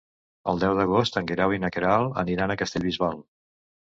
El deu d'agost en Guerau i na Queralt aniran a Castellbisbal.